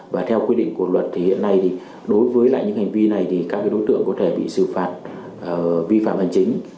và theo quy định của luật thì hiện nay thì đối với lại những hành vi này thì các đối tượng có thể bị xử phạt vi phạm hành chính